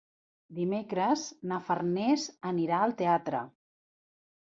Dimecres na Farners anirà al teatre.